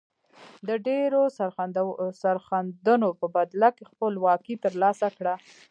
د ډیرو سرښندنو په بدله کې خپلواکي تر لاسه کړه.